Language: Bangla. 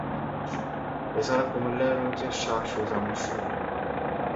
এ ছাড়া কুমিল্লায় রয়েছে শাহ সুজা মসজিদ।